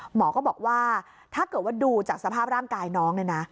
หมอก็บอกว่าถ้าเกิดว่าดูจากสภาพร่างกายน้องเนี่ยนะ